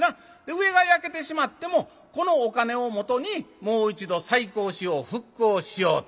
上が焼けてしまってもこのお金をもとにもう一度再興しよう復興しようというね。